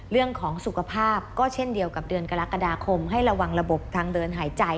เรื่องของสุขภาพก็เช่นเดียวกับเดือนกรกฎาคมให้ระวังระบบทางเดินหายใจ